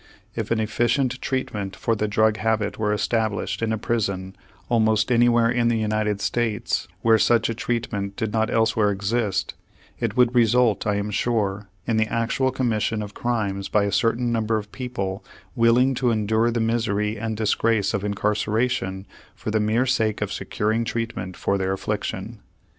If an efficient treatment for the drug habit were established in a prison almost anywhere in the United States where such a treatment did not elsewhere exist, it would result, I am sure, in the actual commission of crimes by a certain number of people willing to endure the misery and disgrace of incarceration for the mere sake of securing treatment for their affliction.